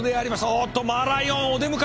おっとマーライオンお出迎えだ！